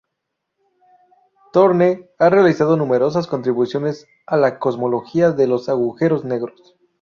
Thorne ha realizado numerosas contribuciones a la cosmología de los agujeros negros.